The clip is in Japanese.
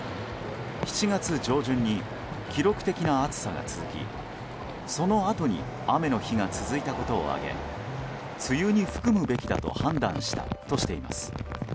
７月上旬に記録的な暑さが続きそのあとに雨の日が続いたことを挙げ梅雨に含むべきだと判断したとしています。